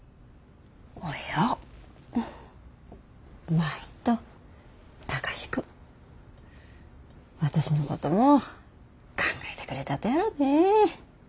舞と貴司君私のことも考えてくれたとやろうね。